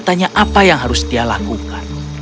dia bertanya tanya apa yang harus dia lakukan